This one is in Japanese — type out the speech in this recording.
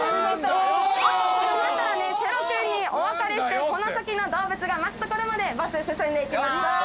そうしましたらねセロ君にお別れしてこの先の動物が待つ所までバス進んでいきます。